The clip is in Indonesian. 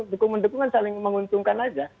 dukung mendukung kan saling menguntungkan aja